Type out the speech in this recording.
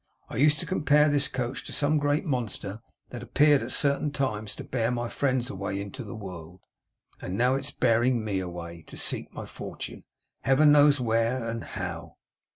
I used to compare this coach to some great monster that appeared at certain times to bear my friends away into the world. And now it's bearing me away, to seek my fortune, Heaven knows where and how!